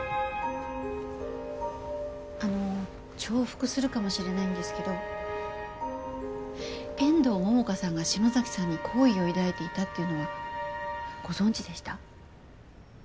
あの重複するかもしれないんですけど遠藤桃花さんが篠崎さんに好意を抱いていたっていうのはご存じでした？